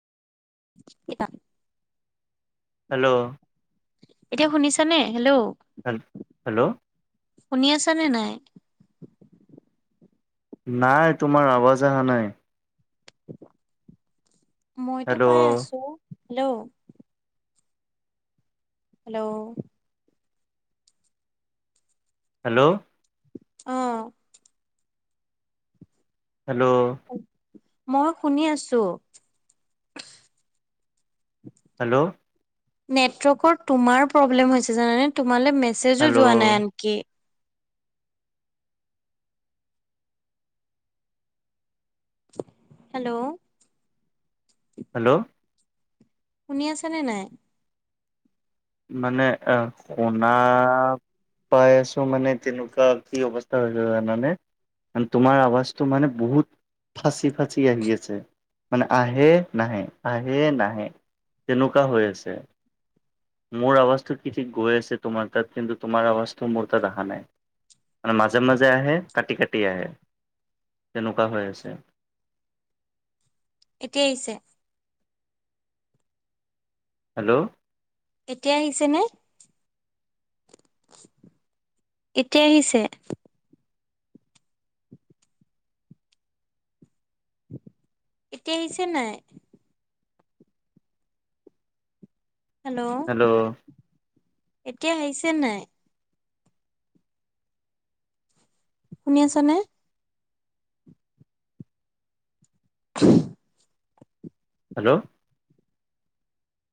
[inaudible] Hello. এতিয়া শুনিছানে? Hello. হে হেল্ল'। শুনি আছানে নাই? নাই, তোমাৰ আৱাজ আহা নাই। মইতো হেল্ল' পাই আছোঁ। হেল্ল'! হেল্ল'! হেল্ল'! অহ। হেল্ল'! মই শুনি আছোঁ। হেল্ল'! নেটৱৰ্কৰ তোমাৰ প্ৰৱলেম হৈছে জানানে। তোমালে মেছেজো হেল্ল' যোৱা নাই আনকি। হেল্ল'! হেল্ল'! শুনি আছানে নাই? মানে অ', শুনা পাই আছো মানে তেনেকুৱা কি অৱস্থা হৈছে জানানে? তোমাৰ আৱাজটো মানে বহুত ফাঁচি ফাঁচি আহি আছে। মানে আহে-নাহে, আহে-নাহে। তেনেকুৱা হৈ আছে। মোৰ আৱাজটো কি ঠিক গৈ আছে তোমাৰ তাত। কিন্তু তোমাৰ আৱাজটো মোৰ তাত আহা নাই। মানে মাজে মাজে আহে। কাটি-কাটি আহে, তেনেকুৱা হৈ আছে। এতিয়া আহিছে? হেল্ল'! এতিয়া আহিছে নে? এতিয়া আহিছে? এতিয়া আহিছে নাই? হেল্ল'! এতিয়া আহিছে নাই? শুনি আছানে? [inaudible] হেল্ল'!